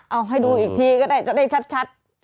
เอาให้ดูอีกทีก็ได้จะได้ชัด